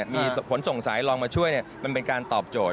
มีขนส่งสายรองมาช่วยมันเป็นการตอบโจทย